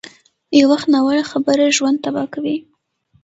یو وخت ناوړه خبره ژوند تباه کوي.